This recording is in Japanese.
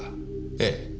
ええ。